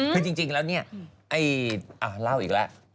คือจริงแล้วเนี่ยเอ้ยอ้าวเล่าอีกแล้ว